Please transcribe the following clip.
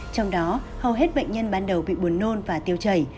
trong đó hầu hết bệnh nhân ban đầu bị buồn nôn và tiêu chảy